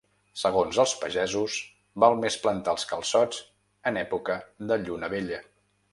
Segons els pagesos, val més plantar els calçots en època de lluna vella.